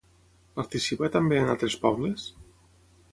Participa també en altres pobles?